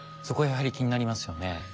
そこはやはり気になりますよね。